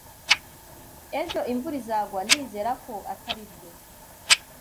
"Ejo imvura izagwa Ndizera ko atari byo."